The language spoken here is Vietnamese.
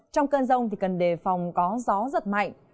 trong cơn rông cần đề phòng có gió giật mạnh